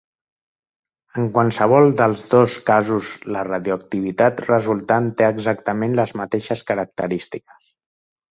En qualsevol dels dos casos la radioactivitat resultant té exactament les mateixes característiques.